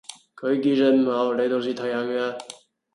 佢記性唔好，你到時提下佢啦